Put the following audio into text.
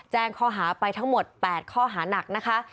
แจ้งข้อหาไปทั้งหมด๘ข้อหานักนะคะ